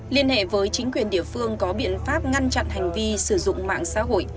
liên hệ với chính quyền địa phương có biện pháp ngăn chặn hành vi sử dụng mạng xã hội